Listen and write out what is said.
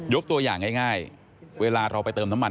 ตัวอย่างง่ายเวลาเราไปเติมน้ำมัน